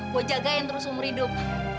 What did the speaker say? gue jagain terus umur hidup